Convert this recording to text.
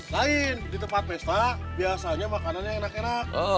lain di tempat pesta biasanya makanannya enak enak